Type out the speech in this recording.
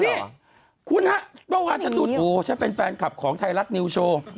นี่คุณฮะเมื่อวานฉันดูโถฉันเป็นแฟนคลับของไทยรัฐนิวโชว์